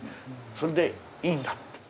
それでいいんだって。